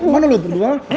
mana lu berdua